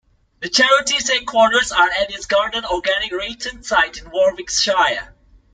The charity's headquarters are at its Garden Organic Ryton site in Warwickshire.